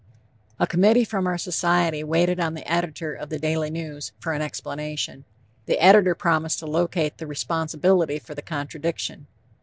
A committee from our Society waited on the editor of the Daily News for an explanation. The editor promised to locate the responsibility for the contradiction.